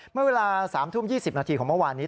เมื่อเวลา๓ทุ่ม๒๐นาทีของเมื่อวานนี้